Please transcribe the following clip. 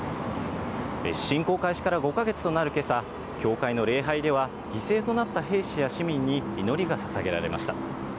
侵攻開始から５か月となるけさ、教会の礼拝では、犠牲となった兵士や市民に祈りがささげられました。